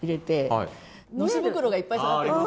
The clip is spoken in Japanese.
のし袋がいっぱい下がってるの。